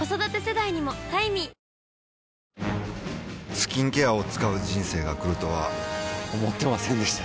スキンケアを使う人生が来るとは思ってませんでした